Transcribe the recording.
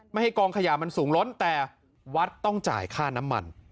ให้กองขยะมันสูงล้นแต่วัดต้องจ่ายค่าน้ำมัน